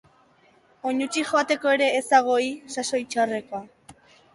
Oinutsik joateko ere ez hago hi sasoi txarrekoa.